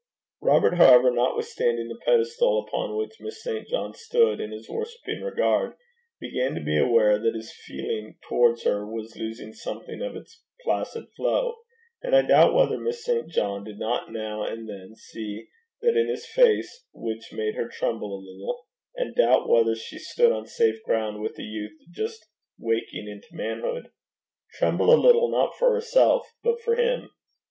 Robert, however, notwithstanding the pedestal upon which Miss St. John stood in his worshipping regard, began to be aware that his feeling towards her was losing something of its placid flow, and I doubt whether Miss St. John did not now and then see that in his face which made her tremble a little, and doubt whether she stood on safe ground with a youth just waking into manhood tremble a little, not for herself, but for him.